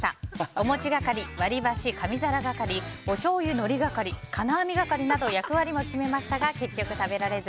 お餅係、割り箸紙皿係おしょうゆのり係、金網係など役割も決めましたが結局食べられず。